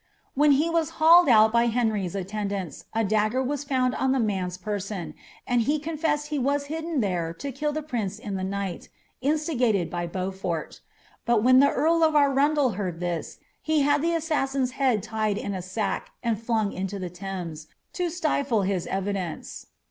When he was hauled out by Henry's attendantit, a dagger was found on the man's person, and he eonfessed he was hidden there to kill the prince in the night, instigated by Beaufort; but when the earl of Arundel heard this, he had the assas sin's head tied in a sack, and flung into the Thames, to stitle his evi dence.'